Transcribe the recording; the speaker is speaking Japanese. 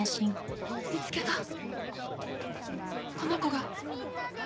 この子が。